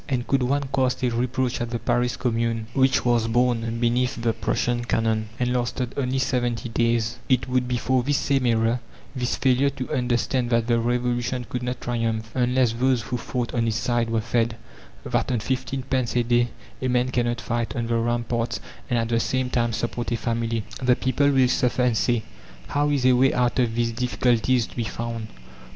And could one cast a reproach at the Paris Commune, which was born beneath the Prussian cannon, and lasted only seventy days, it would be for this same error this failure to understand that the Revolution could not triumph unless those who fought on its side were fed: that on fifteen pence a day a man cannot fight on the ramparts and at the same time support a family. The people will suffer and say: "How is a way out of these difficulties to be found?"